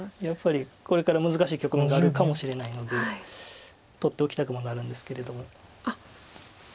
やっぱりこれから難しい局面があるかもしれないので取っておきたくもなるんですけれども。